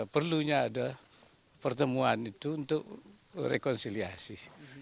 perlunya ada pertemuan itu untuk rekonsiliasi